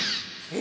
・え！？